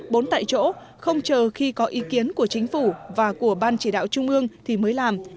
bốn tại chỗ không chờ khi có ý kiến của chính phủ và của ban chỉ đạo trung ương thì mới làm